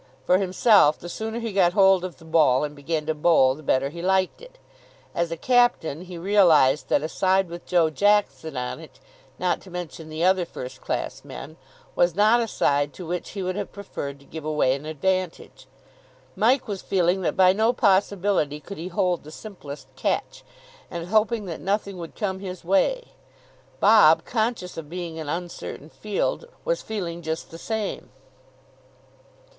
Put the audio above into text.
For himself, the sooner he got hold of the ball and began to bowl the better he liked it. As a captain, he realised that a side with Joe Jackson on it, not to mention the other first class men, was not a side to which he would have preferred to give away an advantage. Mike was feeling that by no possibility could he hold the simplest catch, and hoping that nothing would come his way. Bob, conscious of being an uncertain field, was feeling just the same.